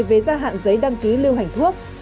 về gia hạn giấy đăng ký lưu hành thuốc